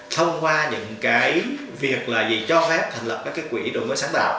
thông qua những việc là gì cho phép thành lập các quỹ đổi mới sáng tạo